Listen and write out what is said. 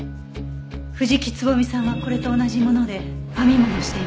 藤木蕾さんはこれと同じもので編み物をしていました。